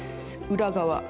裏側。